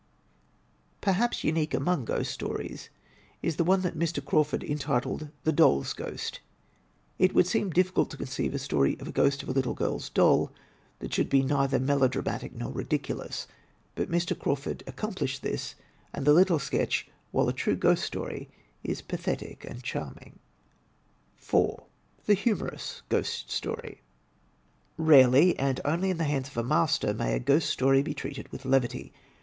Perhaps unique amongst Ghost Stories is the one by Mr. Crawford entitled "The DolFs Ghost." It would seem dif ficult to conceive a story of the ghost of a little girPs doll, that should be neither melodramatic nor ridiculous, but Mr. Crawford accomplished this, and the little sketch, while a true Ghost Story, is pathetic and charming. 4, The Humorous Ghost Story Rarely, and only in the hands of a master, may a Ghost Story be treated with levity.